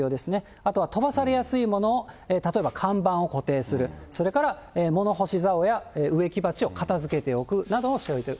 あとは飛ばされやすいものを、例えば看板を固定する、それから物干しざおや植木鉢を片づけておくなどをしておく。